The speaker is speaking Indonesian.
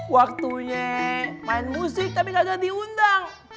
waktunya main musik tapi gak jadi undang